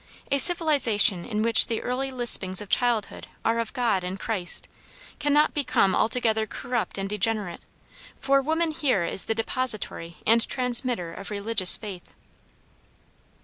A civilization in which the early lispings of childhood are of God and Christ, cannot become altogether corrupt and degenerate, for woman here is the depository and transmitter of religious faith.